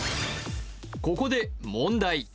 ここで問題